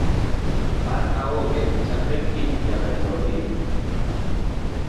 An aonge chakre kiny nyaka Jumapil